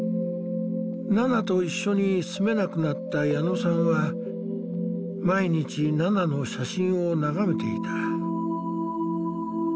ナナと一緒に住めなくなった矢野さんは毎日ナナの写真を眺めていた。